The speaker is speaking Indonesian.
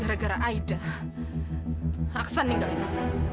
gara gara aida aksan tinggalinmu